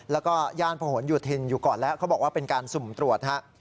แล้วก็ย่านผนโยธินอยู่ก่อนแล้วเขาบอกว่าเป็นการสุ่มตรวจฮะ